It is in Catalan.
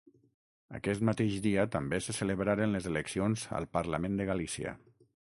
Aquest mateix dia també se celebraren les eleccions al Parlament de Galícia.